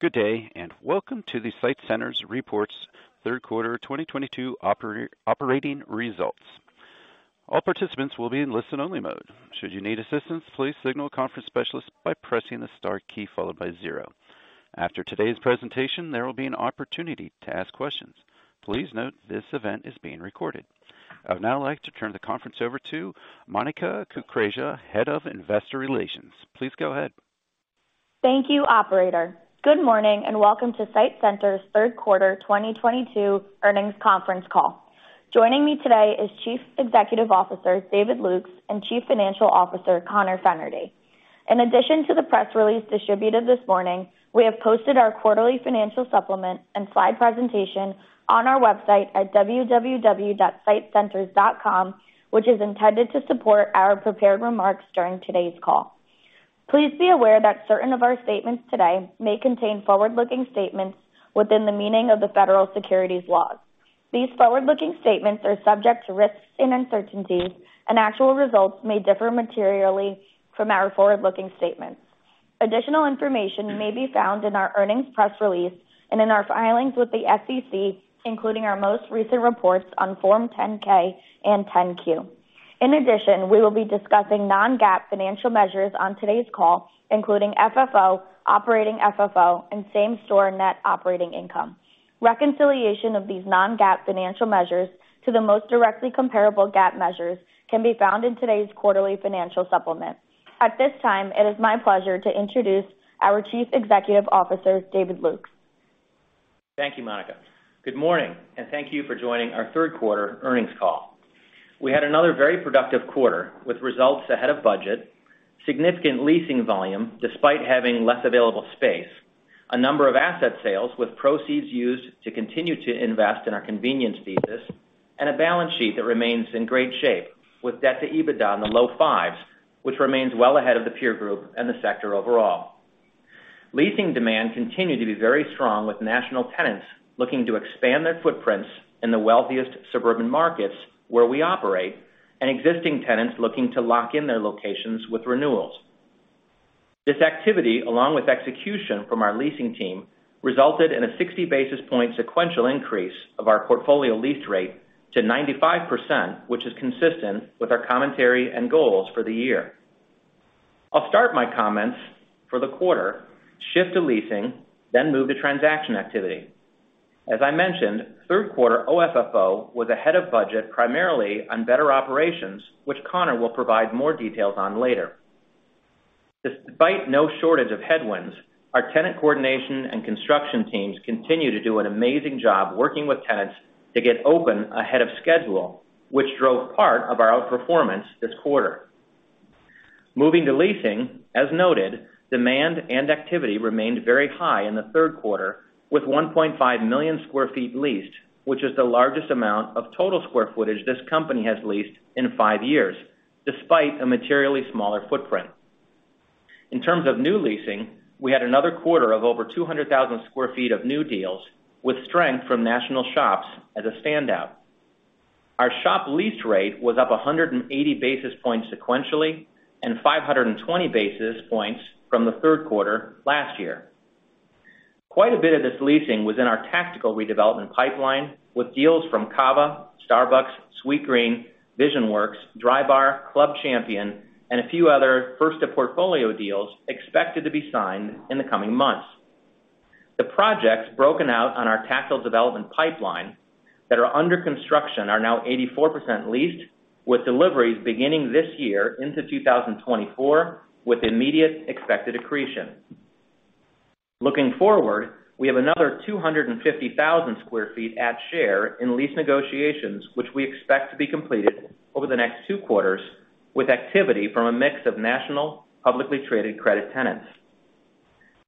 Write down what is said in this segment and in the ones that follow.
Good day, and welcome to the SITE Centers reports third quarter 2022 operating results. All participants will be in listen-only mode. Should you need assistance, please signal a conference specialist by pressing the star key followed by zero. After today's presentation, there will be an opportunity to ask questions. Please note this event is being recorded. I would now like to turn the conference over to Monica Kukreja, Head of Investor Relations. Please go ahead. Thank you, operator. Good morning, and welcome to SITE Centers third quarter 2022 earnings conference call. Joining me today is Chief Executive Officer David Lukes and Chief Financial Officer Conor Fennerty. In addition to the press release distributed this morning, we have posted our quarterly financial supplement and slide presentation on our website at www.sitecenters.com, which is intended to support our prepared remarks during today's call. Please be aware that certain of our statements today may contain forward-looking statements within the meaning of the federal securities laws. These forward-looking statements are subject to risks and uncertainties, and actual results may differ materially from our forward-looking statements. Additional information may be found in our earnings press release and in our filings with the SEC, including our most recent reports on Form 10-K and Form 10-Q. In addition, we will be discussing non-GAAP financial measures on today's call, including FFO, operating FFO, and same-store net operating income. Reconciliation of these non-GAAP financial measures to the most directly comparable GAAP measures can be found in today's quarterly financial supplement. At this time, it is my pleasure to introduce our Chief Executive Officer, David Lukes. Thank you, Monica. Good morning, and thank you for joining our third quarter earnings call. We had another very productive quarter with results ahead of budget, significant leasing volume despite having less available space, a number of asset sales with proceeds used to continue to invest in our convenience thesis, and a balance sheet that remains in great shape with debt to EBITDA in the low fives, which remains well ahead of the peer group and the sector overall. Leasing demand continued to be very strong with national tenants looking to expand their footprints in the wealthiest suburban markets where we operate, and existing tenants looking to lock in their locations with renewals. This activity, along with execution from our leasing team, resulted in a 60 basis point sequential increase of our portfolio lease rate to 95%, which is consistent with our commentary and goals for the year. I'll start my comments for the quarter, shift to leasing, then move to transaction activity. As I mentioned, third quarter OFFO was ahead of budget, primarily on better operations, which Conor will provide more details on later. Despite no shortage of headwinds, our tenant coordination and construction teams continue to do an amazing job working with tenants to get open ahead of schedule, which drove part of our outperformance this quarter. Moving to leasing, as noted, demand and activity remained very high in the third quarter with 1.5 million sq ft leased, which is the largest amount of total square footage this company has leased in five years, despite a materially smaller footprint. In terms of new leasing, we had another quarter of over 200,000 sq ft of new deals with strength from national shops as a standout. Our shop lease rate was up 180 basis points sequentially and 520 basis points from the third quarter last year. Quite a bit of this leasing was in our tactical redevelopment pipeline, with deals from CAVA, Starbucks, Sweetgreen, Visionworks, Drybar, Club Champion, and a few other first of portfolio deals expected to be signed in the coming months. The projects broken out on our tactical development pipeline that are under construction are now 84% leased, with deliveries beginning this year into 2024, with immediate expected accretion. Looking forward, we have another 250,000 sq ft at share in lease negotiations, which we expect to be completed over the next two quarters, with activity from a mix of national publicly traded credit tenants.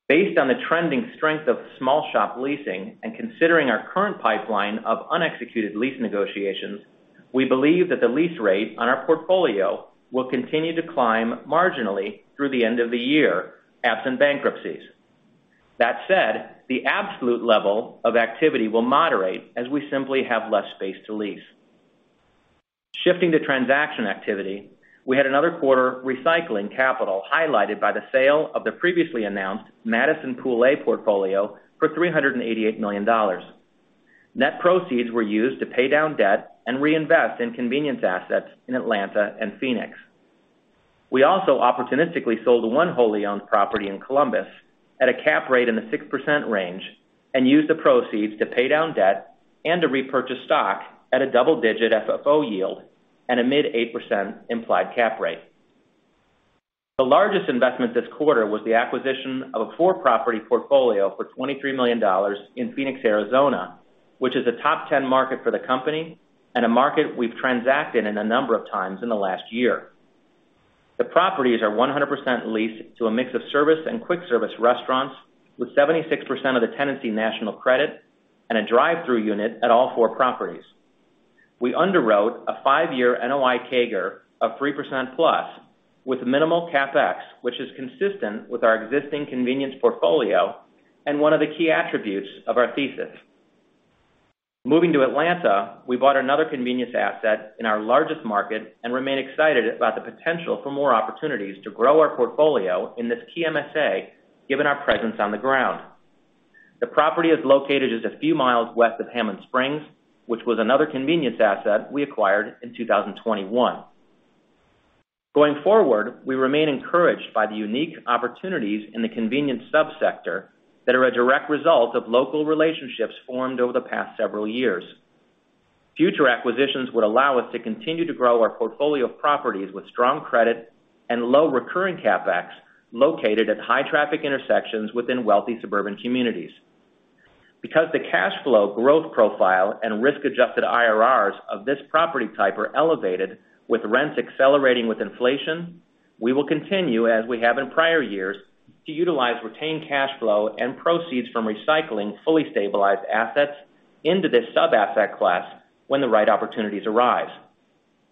Based on the trending strength of small shop leasing and considering our current pipeline of unexecuted lease negotiations, we believe that the lease rate on our portfolio will continue to climb marginally through the end of the year, absent bankruptcies. That said, the absolute level of activity will moderate as we simply have less space to lease. Shifting to transaction activity, we had another quarter recycling capital, highlighted by the sale of the previously announced Madison Pool A portfolio for $388 million. Net proceeds were used to pay down debt and reinvest in convenience assets in Atlanta and Phoenix. We also opportunistically sold one wholly owned property in Columbus at a cap rate in the 6% range and used the proceeds to pay down debt and to repurchase stock at a double-digit FFO yield and a mid-8% implied cap rate. The largest investment this quarter was the acquisition of a 4-property portfolio for $23 million in Phoenix, Arizona, which is a top 10 market for the company and a market we've transacted in a number of times in the last year. The properties are 100% leased to a mix of service and quick service restaurants, with 76% of the tenancy national credit and a drive-thru unit at all 4 properties. We underwrote a 5-year NOI CAGR of 3%+ with minimal CapEx, which is consistent with our existing convenience portfolio and one of the key attributes of our thesis. Moving to Atlanta, we bought another convenience asset in our largest market and remain excited about the potential for more opportunities to grow our portfolio in this key MSA, given our presence on the ground. The property is located just a few miles west of Hammond Springs, which was another convenience asset we acquired in 2021. Going forward, we remain encouraged by the unique opportunities in the convenience subsector that are a direct result of local relationships formed over the past several years. Future acquisitions would allow us to continue to grow our portfolio of properties with strong credit and low recurring CapEx, located at high traffic intersections within wealthy suburban communities. Because the cash flow growth profile and risk-adjusted IRRs of this property type are elevated with rents accelerating with inflation, we will continue, as we have in prior years, to utilize retained cash flow and proceeds from recycling fully stabilized assets into this sub-asset class when the right opportunities arise.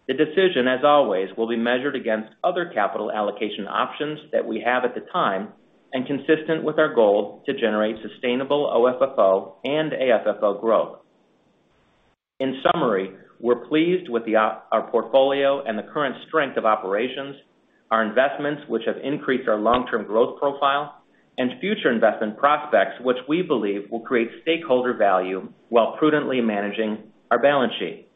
The decision, as always, will be measured against other capital allocation options that we have at the time and consistent with our goal to generate sustainable OFFO and AFFO growth. In summary, we're pleased with our portfolio and the current strength of operations, our investments, which have increased our long-term growth profile, and future investment prospects, which we believe will create stakeholder value while prudently managing our balance sheet.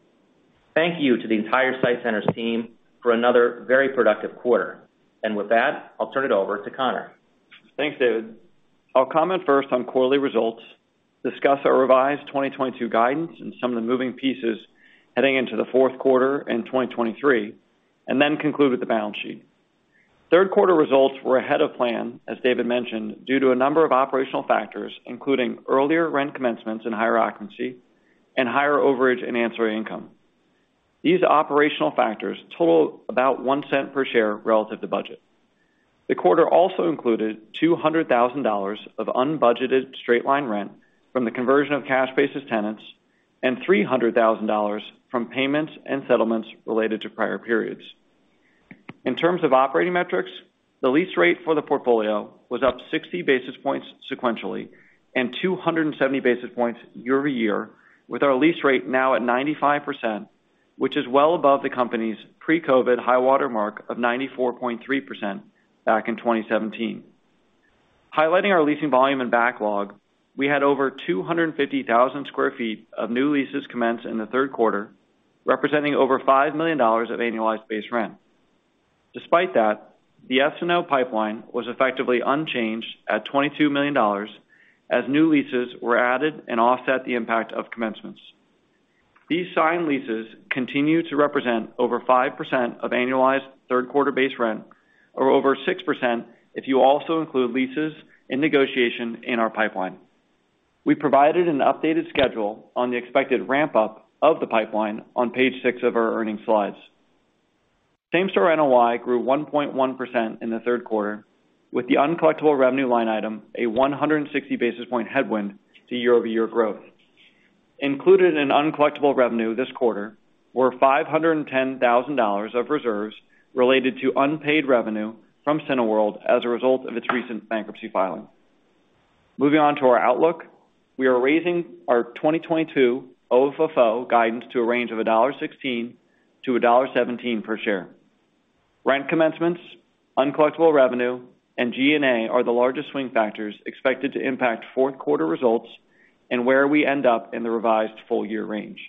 Thank you to the entire SITE Centers team for another very productive quarter. With that, I'll turn it over to Conor. Thanks, David. I'll comment first on quarterly results, discuss our revised 2022 guidance and some of the moving pieces heading into the fourth quarter in 2023, and then conclude with the balance sheet. Third quarter results were ahead of plan, as David mentioned, due to a number of operational factors, including earlier rent commencements and higher occupancy, and higher overage and ancillary income. These operational factors total about $0.01 per share relative to budget. The quarter also included $200,000 of unbudgeted straight-line rent from the conversion of cash-basis tenants and $300,000 from payments and settlements related to prior periods. In terms of operating metrics, the lease rate for the portfolio was up 60 basis points sequentially and 270 basis points year-over-year, with our lease rate now at 95%, which is well above the company's pre-COVID high-water mark of 94.3% back in 2017. Highlighting our leasing volume and backlog, we had over 250,000 sq ft of new leases commence in the third quarter, representing over $5 million of annualized base rent. Despite that, the SNO pipeline was effectively unchanged at $22 million, as new leases were added and offset the impact of commencements. These signed leases continue to represent over 5% of annualized third quarter base rent, or over 6% if you also include leases in negotiation in our pipeline. We provided an updated schedule on the expected ramp-up of the pipeline on page six of our earnings slides. Same-Store NOI grew 1.1% in the third quarter, with the uncollectible revenue line item a 160 basis point headwind to year-over-year growth. Included in uncollectible revenue this quarter were $510,000 of reserves related to unpaid revenue from Cineworld as a result of its recent bankruptcy filing. Moving on to our outlook, we are raising our 2022 OFFO guidance to a range of $1.16-$1.17 per share. Rent commencements, uncollectible revenue, and G&A are the largest swing factors expected to impact fourth quarter results and where we end up in the revised full year range.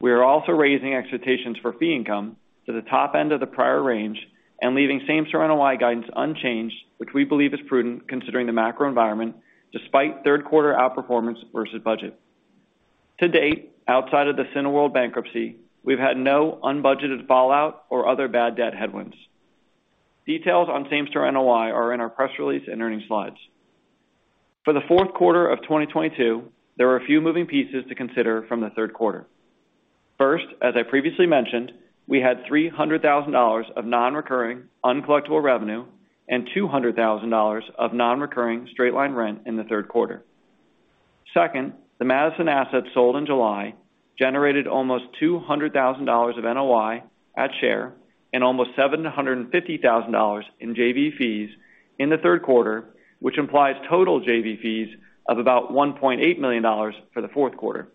We are also raising expectations for fee income to the top end of the prior range and leaving Same-Store NOI guidance unchanged, which we believe is prudent considering the macro environment despite third quarter outperformance versus budget. To date, outside of the Cineworld bankruptcy, we've had no unbudgeted fallout or other bad debt headwinds. Details on Same-Store NOI are in our press release and earnings slides. For the fourth quarter of 2022, there are a few moving pieces to consider from the third quarter. First, as I previously mentioned, we had $300,000 of non-recurring uncollectible revenue and $200,000 of non-recurring straight-line rent in the third quarter. Second, the Madison asset sold in July generated almost $200,000 of NOI at share and almost $750,000 in JV fees in the third quarter, which implies total JV fees of about $1.8 million for the fourth quarter.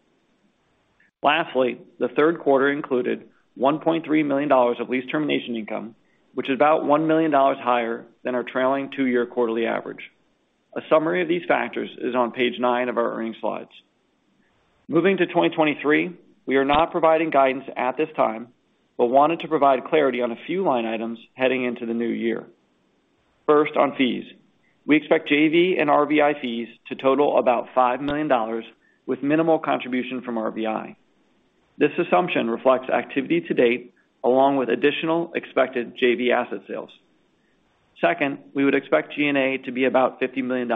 Lastly, the third quarter included $1.3 million of lease termination income, which is about $1 million higher than our trailing two-year quarterly average. A summary of these factors is on page 9 of our earnings slides. Moving to 2023, we are not providing guidance at this time, but wanted to provide clarity on a few line items heading into the new year. First, on fees, we expect JV and RVI fees to total about $5 million with minimal contribution from RVI. This assumption reflects activity to date along with additional expected JV asset sales. Second, we would expect G&A to be about $50 million.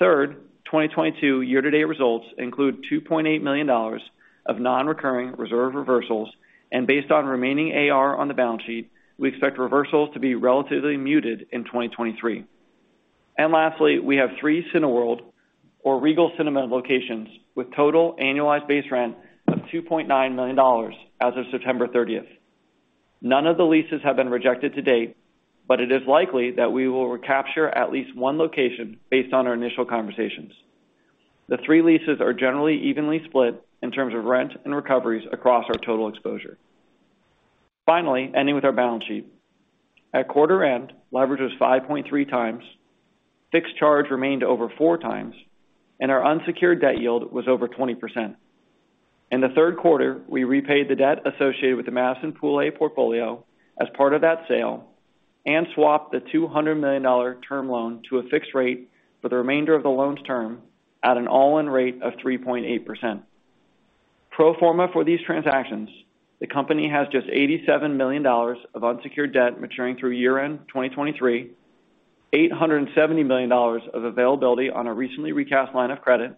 Third, 2022 year-to-date results include $2.8 million of non-recurring reserve reversals. Based on remaining AR on the balance sheet, we expect reversals to be relatively muted in 2023. Lastly, we have 3 Cineworld or Regal Cinemas locations with total annualized base rent of $2.9 million as of September 30. None of the leases have been rejected to date, but it is likely that we will recapture at least one location based on our initial conversations. The three leases are generally evenly split in terms of rent and recoveries across our total exposure. Finally, ending with our balance sheet. At quarter end, leverage was 5.3 times. Fixed charge remained over 4 times, and our unsecured debt yield was over 20%. In the third quarter, we repaid the debt associated with the Madison Pool A portfolio as part of that sale and swapped the $200 million term loan to a fixed rate for the remainder of the loan's term at an all-in rate of 3.8%. Pro forma for these transactions, the company has just $87 million of unsecured debt maturing through year-end 2023, $870 million of availability on a recently recast line of credit,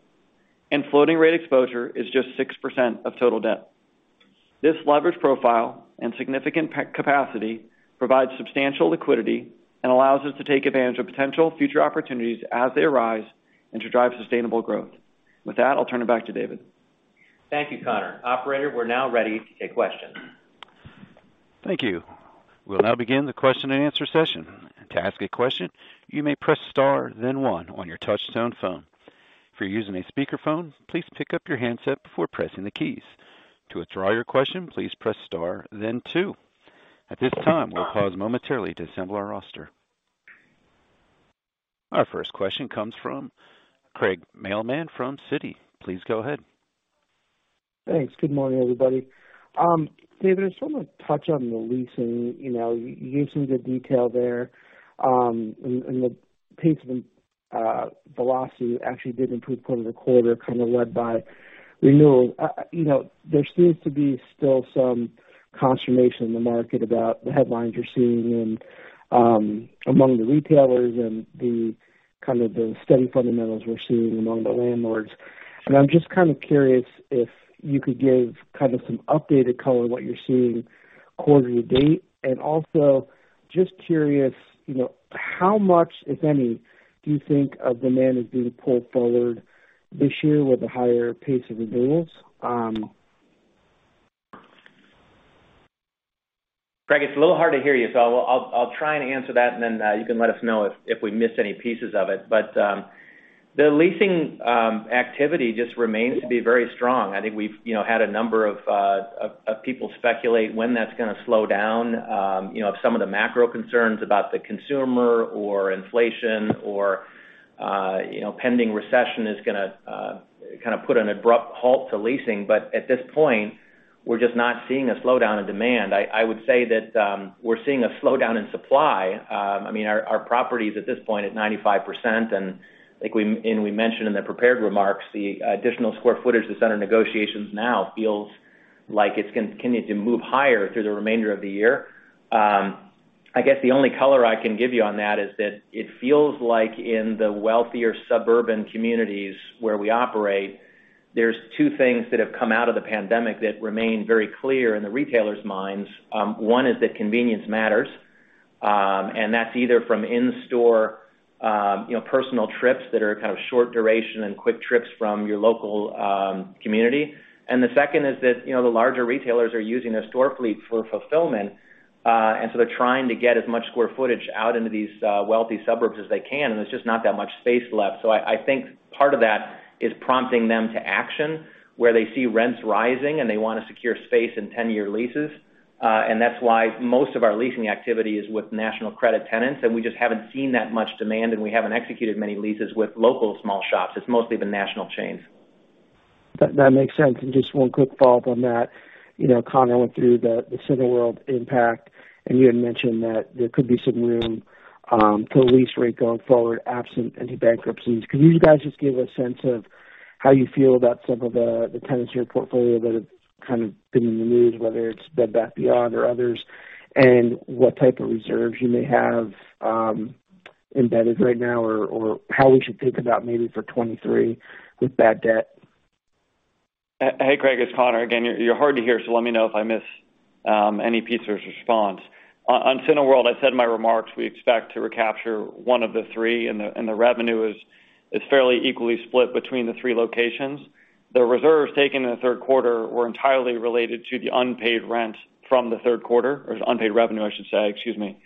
and floating rate exposure is just 6% of total debt. This leverage profile and significant paydown capacity provides substantial liquidity and allows us to take advantage of potential future opportunities as they arise and to drive sustainable growth. With that, I'll turn it back to David. Thank you, Conor. Operator, we're now ready to take questions. Thank you. We'll now begin the question-and-answer session. To ask a question, you may press star then one on your touchtone phone. If you're using a speakerphone, please pick up your handset before pressing the keys. To withdraw your question, please press star then two. At this time, we'll pause momentarily to assemble our roster. Our first question comes from Craig Mailman from Citi. Please go ahead. Thanks. Good morning, everybody. David, sort of touch on the leasing. You know, you gave some good detail there, and the pace and velocity actually did improve quarter-over-quarter, kind of led by renewals. You know, there seems to be still some consternation in the market about the headlines you're seeing and among the retailers and the kind of the steady fundamentals we're seeing among the landlords. I'm just kind of curious if you could give kind of some updated color what you're seeing quarter-to-date. Also just curious, you know, how much, if any, do you think of demand is being pulled forward this year with the higher pace of renewals? Craig, it's a little hard to hear you, so I'll try and answer that, and then you can let us know if we missed any pieces of it. The leasing activity just remains to be very strong. I think we've, you know, had a number of people speculate when that's gonna slow down. You know, if some of the macro concerns about the consumer or inflation or you know pending recession is gonna kind of put an abrupt halt to leasing. At this point, we're just not seeing a slowdown in demand. I would say that we're seeing a slowdown in supply. I mean, our property is at this point at 95%. We mentioned in the prepared remarks, the additional square footage that's under negotiations now feels like it's going to continue to move higher through the remainder of the year. I guess the only color I can give you on that is that it feels like in the wealthier suburban communities where we operate, there's two things that have come out of the pandemic that remain very clear in the retailers' minds. One is that convenience matters, and that's either from in-store, you know, personal trips that are kind of short duration and quick trips from your local community. The second is that, you know, the larger retailers are using their store fleet for fulfillment, and so they're trying to get as much square footage out into these wealthy suburbs as they can, and there's just not that much space left. I think part of that is prompting them to action, where they see rents rising, and they want to secure space in ten-year leases. That's why most of our leasing activity is with national credit tenants, and we just haven't seen that much demand, and we haven't executed many leases with local small shops. It's mostly the national chains. That makes sense. Just one quick follow-up on that. You know, Conor went through the Cineworld impact, and you had mentioned that there could be some room for lease rate going forward, absent any bankruptcies. Can you guys just give a sense of how you feel about some of the tenants in your portfolio that have kind of been in the news, whether it's Bed Bath & Beyond or others, and what type of reserves you may have embedded right now, or how we should think about maybe for 2023 with bad debt? Hey, Craig Mailman, it's Conor Fennerty again. You're hard to hear, so let me know if I miss any piece of this response. On Cineworld, I said in my remarks we expect to recapture one of the three, and the revenue is fairly equally split between the three locations. The reserves taken in the third quarter were entirely related to the unpaid rent from the third quarter, or unpaid revenue, I should say. Excuse me.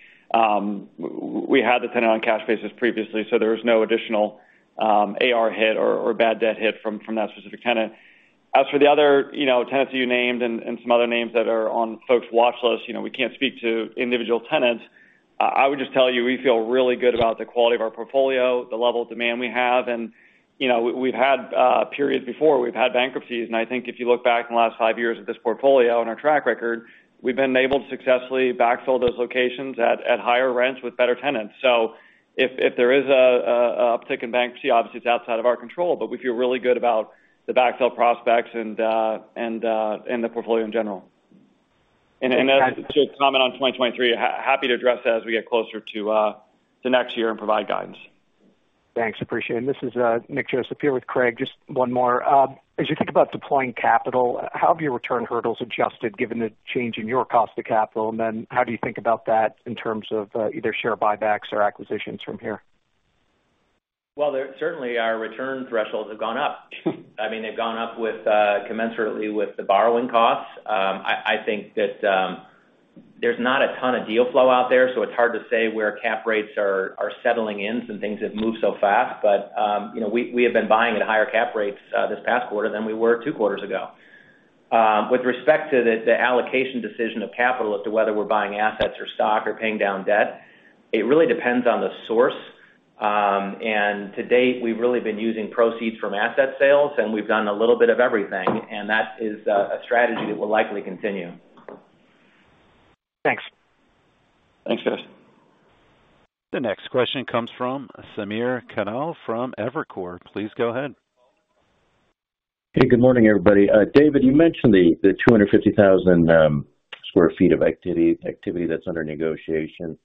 We had the tenant on cash basis previously, so there was no additional AR hit or bad debt hit from that specific tenant. As for the other, you know, tenants you named and some other names that are on folks' watch lists, you know, we can't speak to individual tenants. I would just tell you we feel really good about the quality of our portfolio, the level of demand we have. You know, we've had periods before, we've had bankruptcies. I think if you look back in the last five years at this portfolio and our track record, we've been able to successfully backfill those locations at higher rents with better tenants. If there is an uptick in bankruptcy, obviously it's outside of our control, but we feel really good about the backfill prospects and the portfolio in general. To comment on 2023, happy to address that as we get closer to next year and provide guidance. Thanks. Appreciate it. This is Nick Joseph here with Craig. Just one more. As you think about deploying capital, how have your return hurdles adjusted given the change in your cost of capital? How do you think about that in terms of either share buybacks or acquisitions from here? Well, there certainly are return thresholds have gone up. I mean, they've gone up with commensurately with the borrowing costs. I think that there's not a ton of deal flow out there, so it's hard to say where cap rates are settling in, some things have moved so fast. You know, we have been buying at higher cap rates this past quarter than we were two quarters ago. With respect to the allocation decision of capital as to whether we're buying assets or stock or paying down debt, it really depends on the source. To date, we've really been using proceeds from asset sales, and we've done a little bit of everything, and that is a strategy that will likely continue. Thanks. Thanks, Craig Mailman. The next question comes from Samir Khanal from Evercore. Please go ahead. Hey, good morning, everybody. David, you mentioned the 250,000 sq ft of activity that's under negotiation.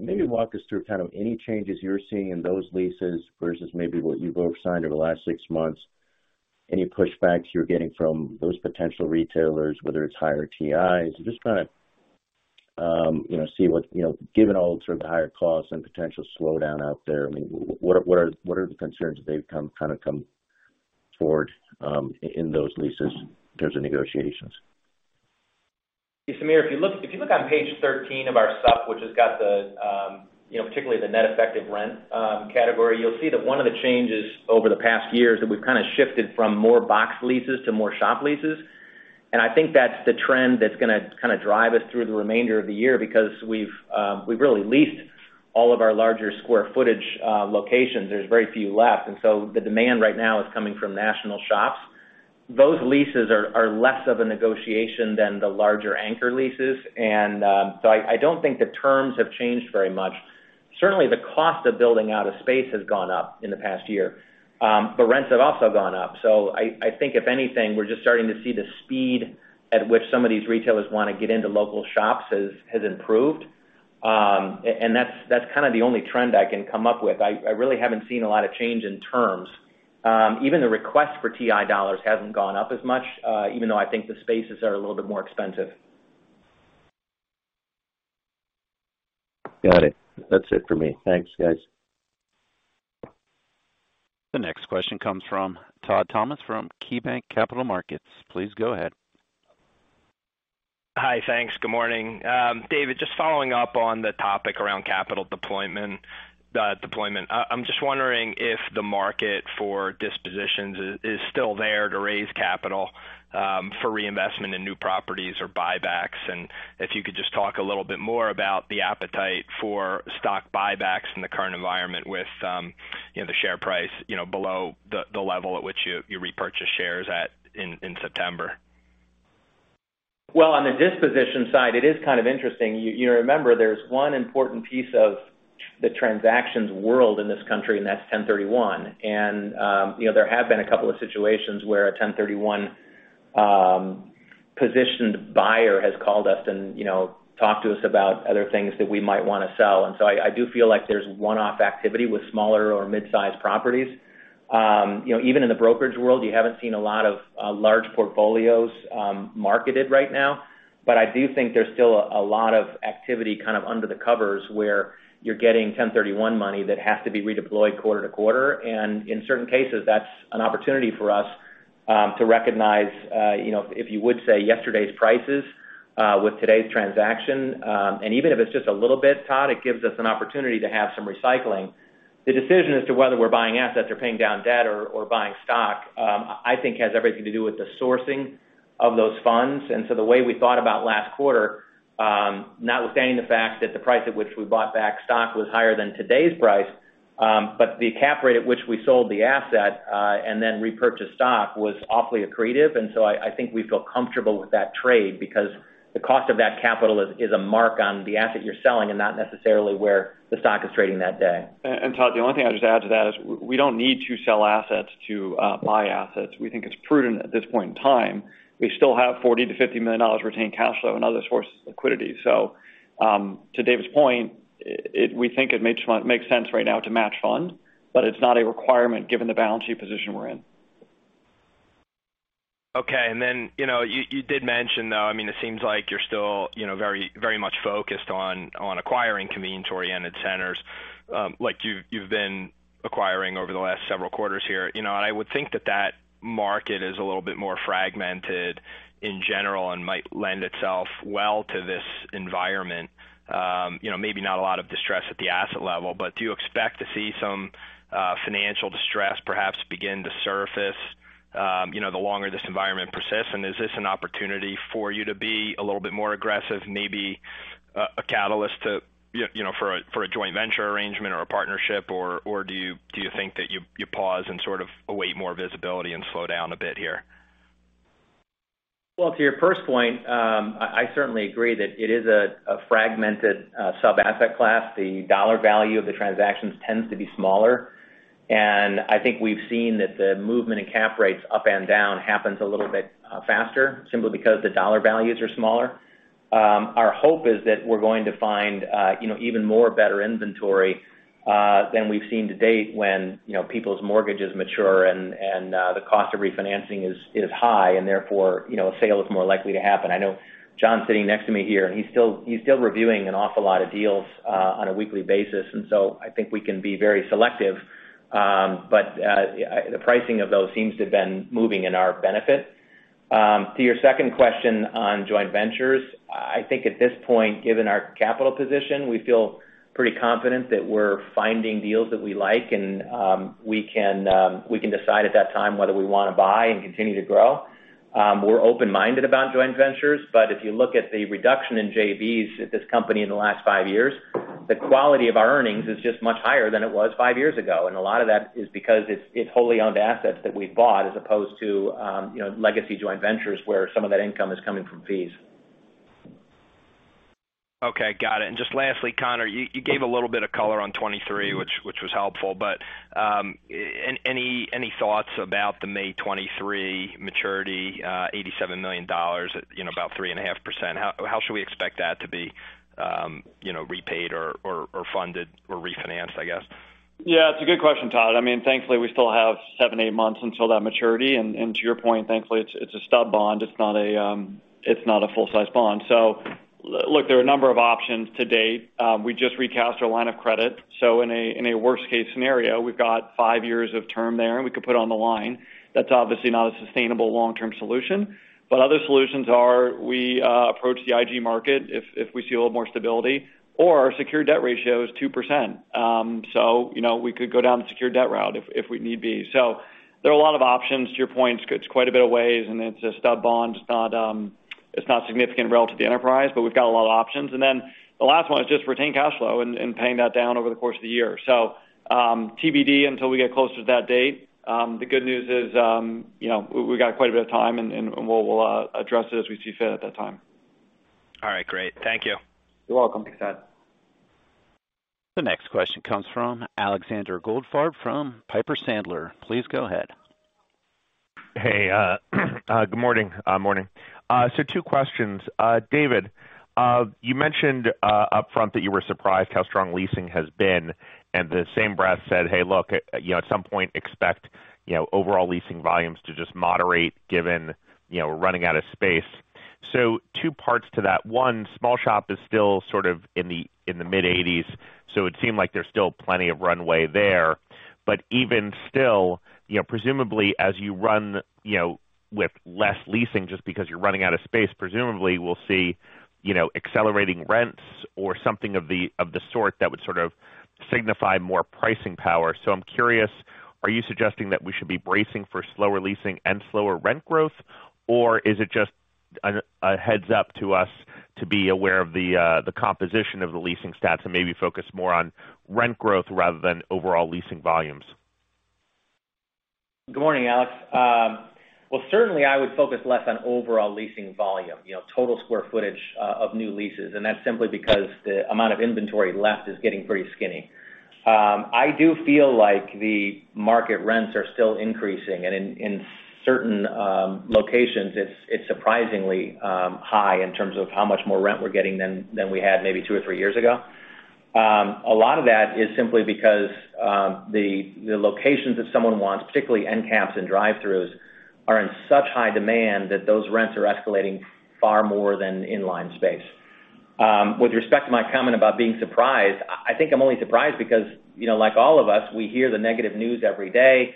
Maybe walk us through kind of any changes you're seeing in those leases versus maybe what you've over-signed over the last six months. Any pushbacks you're getting from those potential retailers, whether it's higher TIs. Just trying to, you know, see what, you know, given all sort of the higher costs and potential slowdown out there, I mean, what are the concerns that they've kind of come forward, in those leases in terms of negotiations? Yeah, Samir, if you look on page 13 of our sup, which has got the, you know, particularly the net effective rent category, you'll see that one of the changes over the past year is that we've kind of shifted from more box leases to more shop leases. I think that's the trend that's gonna kind of drive us through the remainder of the year because we've really leased all of our larger square footage locations. There's very few left. The demand right now is coming from national shops. Those leases are less of a negotiation than the larger anchor leases. I don't think the terms have changed very much. Certainly, the cost of building out a space has gone up in the past year, but rents have also gone up. I think if anything, we're just starting to see the speed at which some of these retailers wanna get into local shops has improved. That's kind of the only trend I can come up with. I really haven't seen a lot of change in terms. Even the request for TI dollars hasn't gone up as much, even though I think the spaces are a little bit more expensive. Got it. That's it for me. Thanks, guys. The next question comes from Todd Thomas from KeyBanc Capital Markets. Please go ahead. Hi. Thanks. Good morning. David, just following up on the topic around capital deployment. I'm just wondering if the market for dispositions is still there to raise capital for reinvestment in new properties or buybacks. If you could just talk a little bit more about the appetite for stock buybacks in the current environment with you know the share price you know below the level at which you repurchased shares at in September. Well, on the disposition side, it is kind of interesting. You remember there's one important piece of the transactions world in this country, and that's 1031 exchange. You know, there have been a couple of situations where a 1031 exchange positioned buyer has called us and, you know, talked to us about other things that we might wanna sell. I do feel like there's one-off activity with smaller or mid-sized properties. You know, even in the brokerage world, you haven't seen a lot of large portfolios marketed right now. I do think there's still a lot of activity kind of under the covers where you're getting 1031 exchange money that has to be redeployed quarter to quarter. In certain cases, that's an opportunity for us to recognize you know, if you would say yesterday's prices with today's transaction. Even if it's just a little bit, Todd, it gives us an opportunity to have some recycling. The decision as to whether we're buying assets or paying down debt or buying stock I think has everything to do with the sourcing of those funds. The way we thought about last quarter, notwithstanding the fact that the price at which we bought back stock was higher than today's price, but the cap rate at which we sold the asset and then repurchased stock was awfully accretive. I think we feel comfortable with that trade because the cost of that capital is a mark on the asset you're selling and not necessarily where the stock is trading that day. Todd, the only thing I'd just add to that is we don't need to sell assets to buy assets. We think it's prudent at this point in time. We still have $40 million-$50 million retained cash flow and other sources of liquidity. To David's point, we think it makes sense right now to match funds, but it's not a requirement given the balance sheet position we're in. Okay. You know, you did mention, though, I mean, it seems like you're still, you know, very much focused on acquiring convenience-oriented centers, like you've been acquiring over the last several quarters here. You know, I would think that that market is a little bit more fragmented in general and might lend itself well to this environment. You know, maybe not a lot of distress at the asset level, but do you expect to see some financial distress perhaps begin to surface, you know, the longer this environment persists? Is this an opportunity for you to be a little bit more aggressive, maybe a catalyst to, you know, for a joint venture arrangement or a partnership, or do you think that you pause and sort of await more visibility and slow down a bit here? Well, to your first point, I certainly agree that it is a fragmented sub-asset class. The dollar value of the transactions tends to be smaller. I think we've seen that the movement in cap rates up and down happens a little bit faster simply because the dollar values are smaller. Our hope is that we're going to find you know, even more better inventory than we've seen to date when you know, people's mortgages mature and the cost of refinancing is high and therefore you know, a sale is more likely to happen. I know John's sitting next to me here, and he's still reviewing an awful lot of deals on a weekly basis. I think we can be very selective. The pricing of those seems to have been moving in our benefit. To your second question on joint ventures, I think at this point, given our capital position, we feel pretty confident that we're finding deals that we like and we can decide at that time whether we wanna buy and continue to grow. We're open-minded about joint ventures, but if you look at the reduction in JVs at this company in the last five years, the quality of our earnings is just much higher than it was five years ago. A lot of that is because it's wholly owned assets that we bought as opposed to you know, legacy joint ventures where some of that income is coming from fees. Okay. Got it. Just lastly, Conor, you gave a little bit of color on 2023, which was helpful. Any thoughts about the May 2023 maturity, $87 million, you know, about 3.5%? How should we expect that to be, you know, repaid or funded or refinanced, I guess? Yeah, it's a good question, Todd. I mean, thankfully, we still have 7-8 months until that maturity. To your point, thankfully, it's a stub bond. It's not a full-size bond. Look, there are a number of options to date. We just recast our line of credit. In a worst case scenario, we've got 5 years of term there, and we could put it on the line. That's obviously not a sustainable long-term solution. Other solutions are we approach the IG market if we see a little more stability, or our secure debt ratio is 2%. You know, we could go down the secure debt route if we need be. There are a lot of options. To your point, it's quite a few ways, and it's a stub bond. It's not significant relative to the enterprise, but we've got a lot of options. The last one is just retaining cash flow and paying that down over the course of the year. TBD until we get closer to that date. The good news is, you know, we got quite a bit of time and we'll address it as we see fit at that time. All right. Great. Thank you. You're welcome, Todd. The next question comes from Alexander Goldfarb from Piper Sandler. Please go ahead. Hey, good morning. Two questions. David, you mentioned upfront that you were surprised how strong leasing has been, and in the same breath said, "Hey, look, you know, at some point expect, you know, overall leasing volumes to just moderate given, you know, we're running out of space." Two parts to that. One, small shop is still sort of in the mid-80s, so it seemed like there's still plenty of runway there. Even still, you know, presumably as you run with less leasing just because you're running out of space, presumably we'll see, you know, accelerating rents or something of the sort that would sort of signify more pricing power. I'm curious, are you suggesting that we should be bracing for slower leasing and slower rent growth, or is it just a heads-up to us to be aware of the composition of the leasing stats and maybe focus more on rent growth rather than overall leasing volumes? Good morning, Alex. Certainly I would focus less on overall leasing volume, you know, total square footage of new leases. That's simply because the amount of inventory left is getting pretty skinny. I do feel like the market rents are still increasing. In certain locations, it's surprisingly high in terms of how much more rent we're getting than we had maybe two or three years ago. A lot of that is simply because the locations that someone wants, particularly end caps and drive-throughs, are in such high demand that those rents are escalating far more than inline space. With respect to my comment about being surprised, I think I'm only surprised because, you know, like all of us, we hear the negative news every day,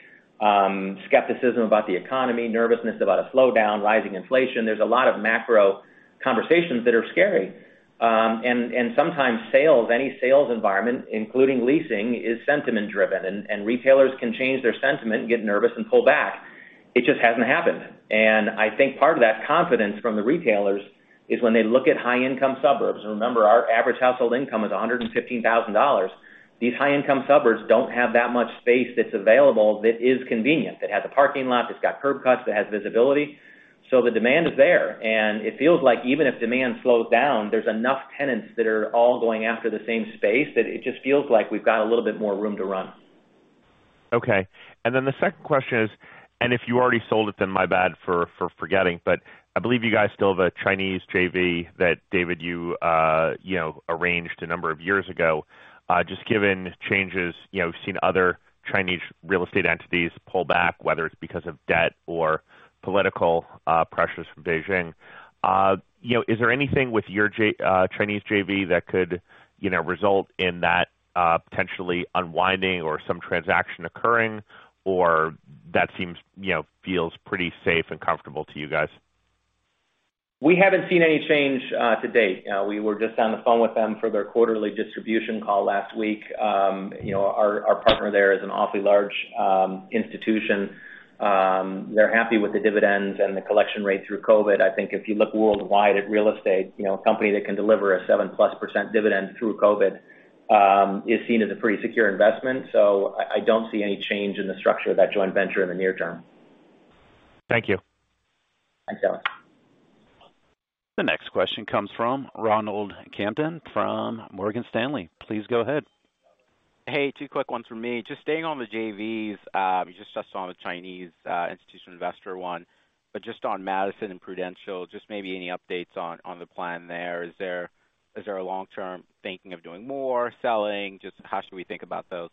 skepticism about the economy, nervousness about a slowdown, rising inflation. There's a lot of macro conversations that are scary. Sometimes sales, any sales environment, including leasing, is sentiment-driven. Retailers can change their sentiment and get nervous and pull back. It just hasn't happened. I think part of that confidence from the retailers is when they look at high income suburbs. Remember, our average household income is $115,000. These high income suburbs don't have that much space that's available that is convenient, that has a parking lot, it's got curb cuts, that has visibility. The demand is there, and it feels like even if demand slows down, there's enough tenants that are all going after the same space that it just feels like we've got a little bit more room to run. Okay. The second question is, if you already sold it, then my bad for forgetting, but I believe you guys still have a Chinese JV that, David, you know, arranged a number of years ago. Just given changes, you know, we've seen other Chinese real estate entities pull back, whether it's because of debt or political pressures from Beijing. You know, is there anything with your Chinese JV that could, you know, result in that potentially unwinding or some transaction occurring, or that seems, you know, feels pretty safe and comfortable to you guys? We haven't seen any change to date. We were just on the phone with them for their quarterly distribution call last week. You know, our partner there is an awfully large institution. They're happy with the dividends and the collection rate through COVID. I think if you look worldwide at real estate, you know, a company that can deliver a 7%+ dividend through COVID is seen as a pretty secure investment. I don't see any change in the structure of that joint venture in the near term. Thank you. Thanks, Alex. The next question comes from Ronald Kamdem from Morgan Stanley. Please go ahead. Hey, two quick ones from me. Just staying on the JVs, you just touched on the Chinese institutional investor one, but just on Madison and Prudential, just maybe any updates on the plan there. Is there a long-term thinking of doing more selling? Just how should we think about those?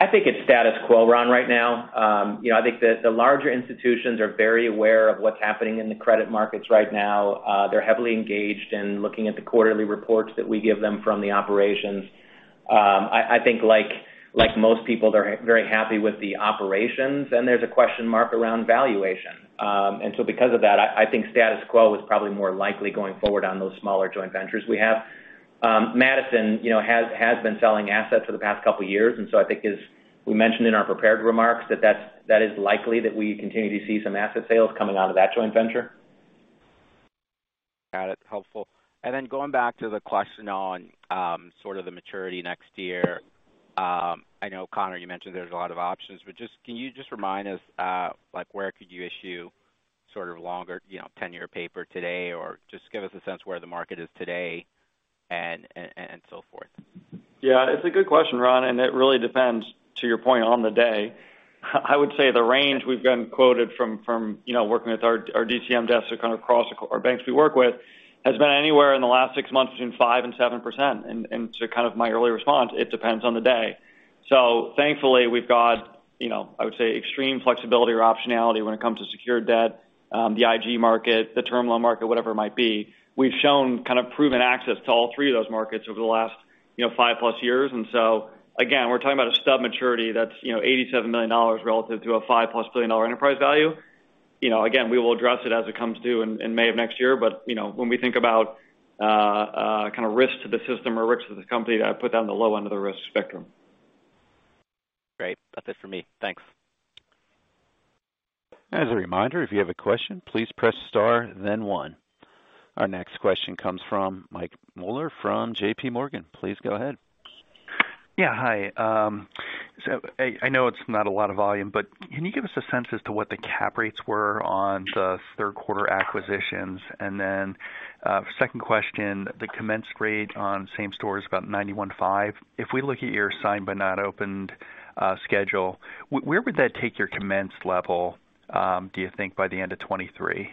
I think it's status quo, Ron, right now. You know, I think the larger institutions are very aware of what's happening in the credit markets right now. They're heavily engaged in looking at the quarterly reports that we give them from the operations. I think like most people, they're very happy with the operations, and there's a question mark around valuation. Because of that, I think status quo is probably more likely going forward on those smaller joint ventures we have. Madison, you know, has been selling assets for the past couple of years, and so I think as we mentioned in our prepared remarks, that is likely that we continue to see some asset sales coming out of that joint venture. Got it. Helpful. Going back to the question on sort of the maturity next year. I know, Conor, you mentioned there's a lot of options, but just can you just remind us, like, where could you issue sort of longer, you know, tenure paper today? Or just give us a sense where the market is today and so forth. Yeah, it's a good question, Ron, and it really depends to your point on the day. I would say the range we've been quoted from, you know, working with our DCM desks or kind of across our banks we work with, has been anywhere in the last six months between 5%-7%. To kind of my earlier response, it depends on the day. Thankfully, we've got, you know, I would say extreme flexibility or optionality when it comes to secured debt, the IG market, the term loan market, whatever it might be. We've shown kind of proven access to all three of those markets over the last, you know, 5+ years. Again, we're talking about a stub maturity that's, you know, $87 million relative to a $5+ billion enterprise value. You know, again, we will address it as it comes due in May of next year. You know, when we think about kind of risk to the system or risk to the company, I put that on the low end of the risk spectrum. Great. That's it for me. Thanks. As a reminder, if you have a question, please press Star, then one. Our next question comes from Michael Mueller from JPMorgan Chase. Please go ahead. Yeah. Hi. So I know it's not a lot of volume, but can you give us a sense as to what the cap rates were on the third quarter acquisitions? Second question, the commenced rate on same store is about 91.5%. If we look at your signed but not opened schedule, where would that take your commenced level, do you think by the end of 2023?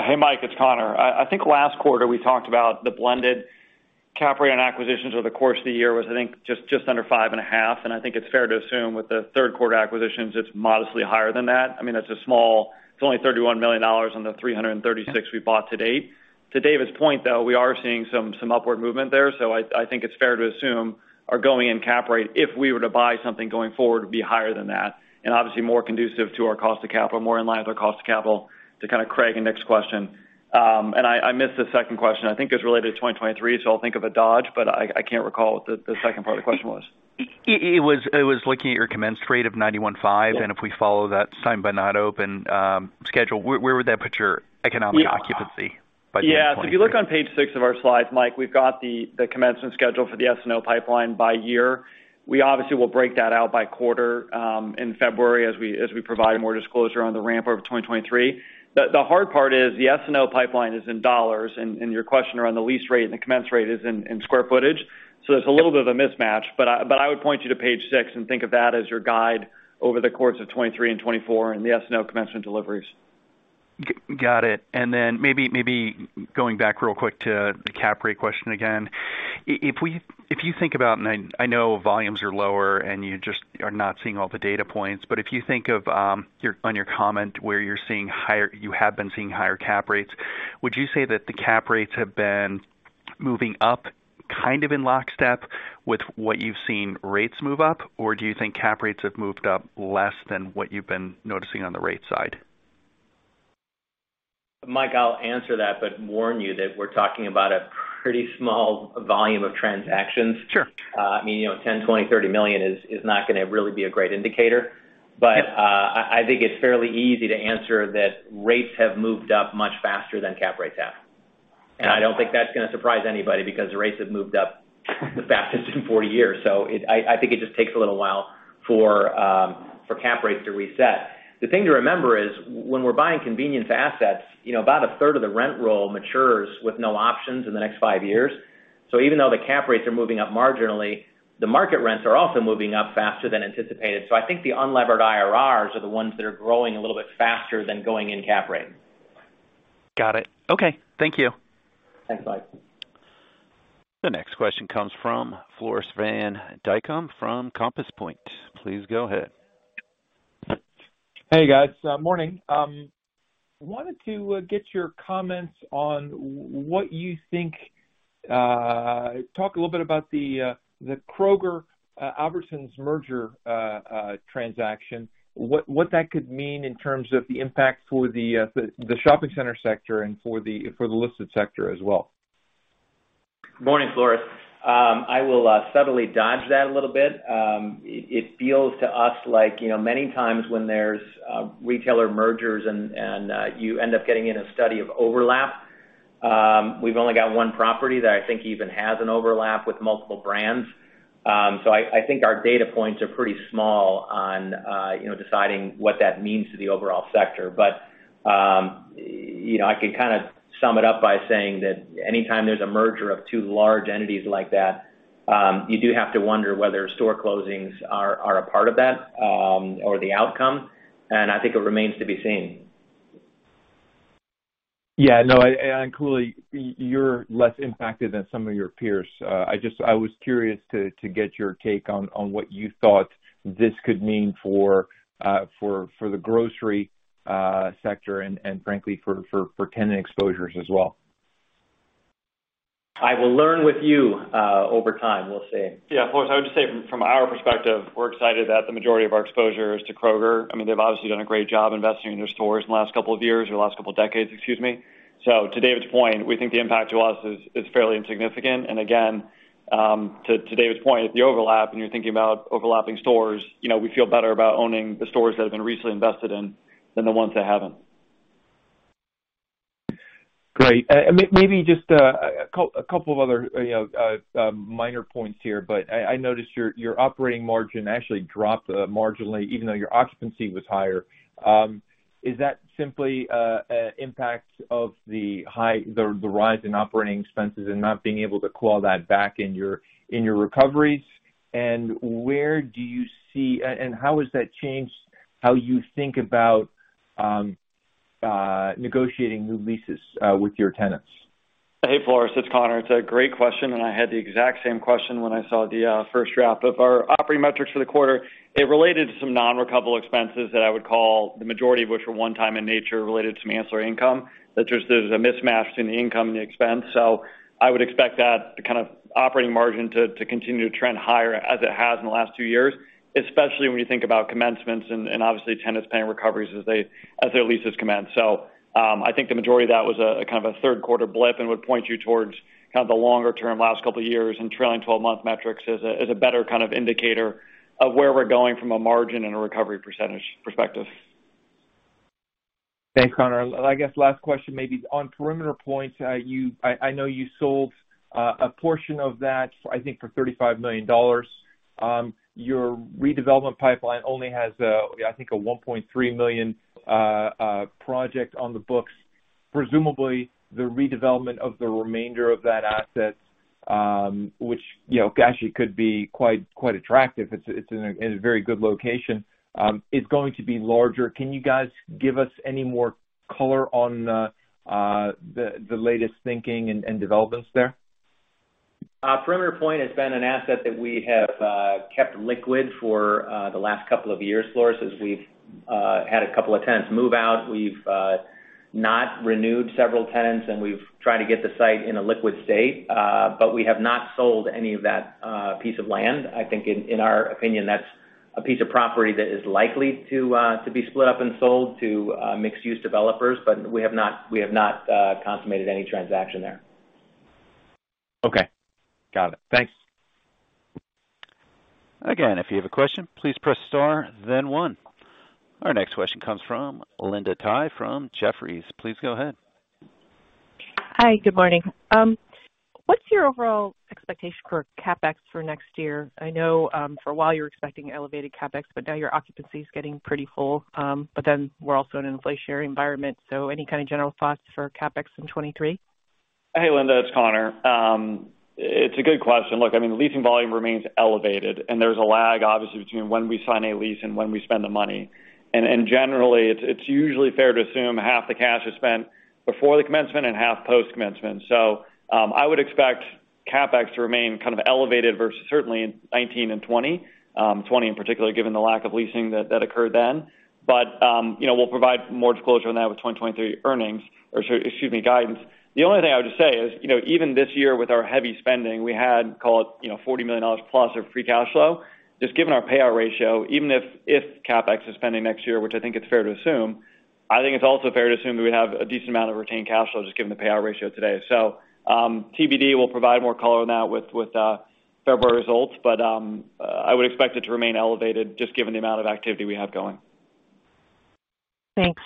Hey, Mike, it's Conor. I think last quarter we talked about the blended cap rate on acquisitions over the course of the year was, I think, just under 5.5%, and I think it's fair to assume with the third quarter acquisitions, it's modestly higher than that. I mean, it's only $31 million on the $336 million we bought to date. To David's point, though, we are seeing some upward movement there. I think it's fair to assume our going in cap rate, if we were to buy something going forward, would be higher than that and obviously more conducive to our cost of capital, more in line with our cost of capital to kind of Craig and Nick's question. I missed the second question. I think it was related to 2023, so I'll think of a dodge, but I can't recall what the second part of the question was. It was looking at your commenced rate of 91.5%. Yeah. If we follow that signed but not opened schedule, where would that put your economic occupancy by 2023? Yeah. If you look on page 6 of our slides, Mike, we've got the commencement schedule for the SNO pipeline by year. We obviously will break that out by quarter in February as we provide more disclosure on the ramp over 2023. The hard part is the SNO pipeline is in dollars, and your question around the lease rate and the commenced rate is in square footage. It's a little bit of a mismatch, but I would point you to page 6 and think of that as your guide over the course of 2023 and 2024 and the SNO commencement deliveries. Got it. Then maybe going back real quick to the cap rate question again. If you think about, I know volumes are lower and you just are not seeing all the data points, but if you think of, on your comment where you're seeing higher cap rates, would you say that the cap rates have been moving up kind of in lockstep with what you've seen rates move up? Or do you think cap rates have moved up less than what you've been noticing on the rate side? Mike, I'll answer that, but warn you that we're talking about a pretty small volume of transactions. Sure. I mean, you know, $10 million, $20 million, $30 million is not gonna really be a great indicator. Yeah. I think it's fairly easy to answer that rates have moved up much faster than cap rates have. Yeah. I don't think that's gonna surprise anybody because the rates have moved up the fastest in 40 years. I think it just takes a little while for cap rates to reset. The thing to remember is when we're buying convenience assets, you know, about a third of the rent roll matures with no options in the next five years. Even though the cap rates are moving up marginally, the market rents are also moving up faster than anticipated. I think the unlevered IRRs are the ones that are growing a little bit faster than going in cap rate. Got it. Okay. Thank you. Thanks, Mike. The next question comes from Floris van Dijkum from Compass Point. Please go ahead. Hey, guys. Morning. Wanted to get your comments on what you think, talk a little bit about the Kroger-Albertsons merger transaction, what that could mean in terms of the impact for the shopping center sector and for the listed sector as well. Morning, Floris. I will subtly dodge that a little bit. It feels to us like, you know, many times when there's retailer mergers and you end up getting in a study of overlap, we've only got one property that I think even has an overlap with multiple brands. I think our data points are pretty small on, you know, deciding what that means to the overall sector. You know, I can kind of sum it up by saying that anytime there's a merger of two large entities like that, you do have to wonder whether store closings are a part of that or the outcome. I think it remains to be seen. Yeah, no. Clearly you're less impacted than some of your peers. I was curious to get your take on what you thought this could mean for the grocery sector and frankly for tenant exposures as well. I will learn with you, over time. We'll see. Yeah. Floris, I would just say from our perspective, we're excited that the majority of our exposure is to Kroger. I mean, they've obviously done a great job investing in their stores in the last couple of years or the last couple decades, excuse me. To David's point, we think the impact to us is fairly insignificant. Again, to David's point, if you overlap and you're thinking about overlapping stores, you know, we feel better about owning the stores that have been recently invested in than the ones that haven't. Great. Maybe just a couple of other, you know, minor points here, but I noticed your operating margin actually dropped marginally even though your occupancy was higher. Is that simply impact of the rise in operating expenses and not being able to call that back in your recoveries? Where do you see and how has that changed how you think about negotiating new leases with your tenants? Hey, Floris, it's Conor. It's a great question, and I had the exact same question when I saw the first draft of our operating metrics for the quarter. It related to some non-recoverable expenses that I would call the majority of which were one-time in nature related to ancillary income. That's just, there's a mismatch in the income and the expense. So I would expect that kind of operating margin to continue to trend higher as it has in the last two years, especially when you think about commencements and obviously tenants paying recoveries as their leases commence. I think the majority of that was a kind of third quarter blip and would point you towards kind of the longer term last couple of years and trailing twelve-month metrics as a better kind of indicator of where we're going from a margin and a recovery percentage perspective. Thanks, Conor. I guess last question may be on Perimeter Point. You—I know you sold a portion of that, I think for $35 million. Your redevelopment pipeline only has, I think, a $1.3 million project on the books. Presumably, the redevelopment of the remainder of that asset, which, you know, actually could be quite attractive, it's in a very good location, is going to be larger. Can you guys give us any more color on the latest thinking and developments there? Perimeter Point has been an asset that we have kept liquid for the last couple of years, Floris. As we've had a couple of tenants move out. We've not renewed several tenants, and we've tried to get the site in a liquid state, but we have not sold any of that piece of land. I think in our opinion, that's a piece of property that is likely to be split up and sold to mixed use developers. We have not consummated any transaction there. Okay. Got it. Thanks. Again, if you have a question, please press star then one. Our next question comes from Linda Tsai from Jefferies. Please go ahead. Hi. Good morning. What's your overall expectation for CapEx for next year? I know for a while you were expecting elevated CapEx, but now your occupancy is getting pretty full. We're also in an inflationary environment. Any kind of general thoughts for CapEx in 2023? Hey, Linda, it's Conor. It's a good question. Look, I mean, leasing volume remains elevated, and there's a lag, obviously, between when we sign a lease and when we spend the money. Generally, it's usually fair to assume half the cash is spent before the commencement and half post commencement. I would expect CapEx to remain kind of elevated versus certainly in 2019 and 2020 in particular, given the lack of leasing that occurred then. You know, we'll provide more disclosure on that with 2023 earnings or, excuse me, guidance. The only thing I would just say is, you know, even this year with our heavy spending, we had, call it, you know, $40 million plus of free cash flow. Just given our payout ratio, even if CapEx is spending next year, which I think it's fair to assume, I think it's also fair to assume that we have a decent amount of retained cash flow just given the payout ratio today. TBD will provide more color on that with February results, but I would expect it to remain elevated just given the amount of activity we have going. Thanks.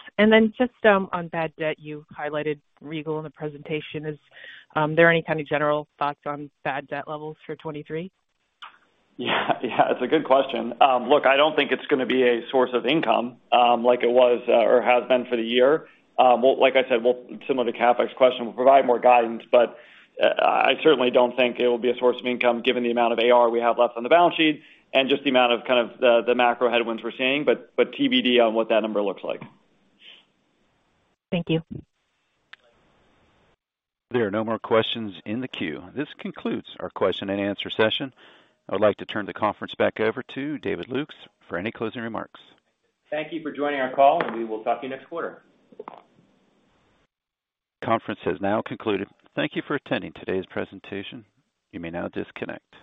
Just on bad debt, you highlighted Regal in the presentation. Is there any kind of general thoughts on bad debt levels for 2023? Yeah. Yeah, it's a good question. Look, I don't think it's gonna be a source of income, like it was or has been for the year. Like I said, similar to CapEx question, we'll provide more guidance, but I certainly don't think it will be a source of income given the amount of AR we have left on the balance sheet and just the amount of kind of the macro headwinds we're seeing. TBD on what that number looks like. Thank you. There are no more questions in the queue. This concludes our question and answer session. I would like to turn the conference back over to David Lukes for any closing remarks. Thank you for joining our call, and we will talk to you next quarter. Conference has now concluded. Thank you for attending today's presentation. You may now disconnect.